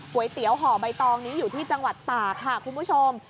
เตี๋ยวห่อใบตองนี้อยู่ที่จังหวัดตากค่ะคุณผู้ชม